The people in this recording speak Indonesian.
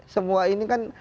semua ini kan